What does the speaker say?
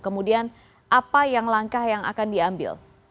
kemudian apa yang langkah yang akan diambil